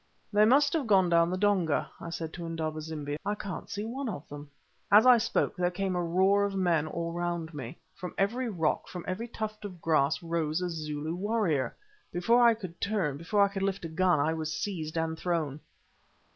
"They must have gone down the Donga," I said to Indaba zimbi, "I can't see one of them." As I spoke there came a roar of men all round me. From every rock, from every tuft of grass rose a Zulu warrior. Before I could turn, before I could lift a gun, I was seized and thrown.